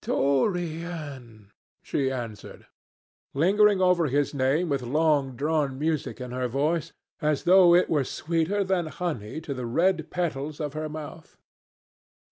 "Dorian," she answered, lingering over his name with long drawn music in her voice, as though it were sweeter than honey to the red petals of her mouth.